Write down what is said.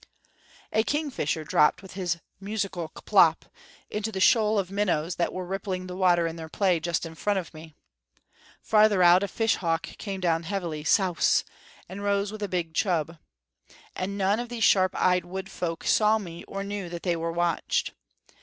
A kingfisher dropped with his musical K'plop! into the shoal of minnows that were rippling the water in their play just in front of me. Farther out, a fishhawk came down heavily, Souse! and rose with a big chub. And none of these sharp eyed wood folk saw me or knew that they were watched.